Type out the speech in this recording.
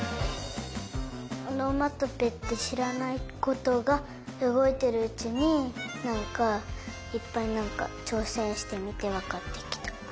おのまとぺってしらないことがうごいてるうちになんかいっぱいちょうせんしてみてわかってきた。